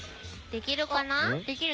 できるかな？